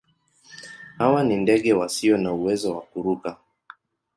Hawa ni ndege wasio na uwezo wa kuruka.